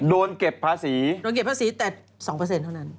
โดนเก็บภาษีโดนเก็บภาษีแต่๒เปอร์เซ็นต์เท่านั้น